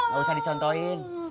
gak usah dicontohin